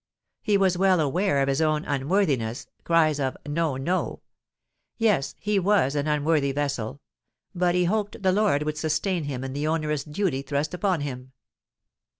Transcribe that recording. _] He was well aware of his own unworthiness (Cries of "No! no!"): yes—he was an unworthy vessel—but he hoped the Lord would sustain him in the onerous duty thrust upon him.